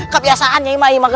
kebiasaan nyai mah